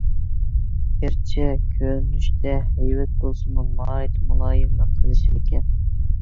گەرچە كۆرۈنۈشىدە ھەيۋەت بولسىمۇ ناھايىتى مۇلايىملىق قىلىشىدىكەن.